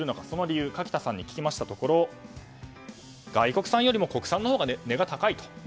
その理由垣田さんに聞きましたところ外国産よりも国産のほうが値が高い。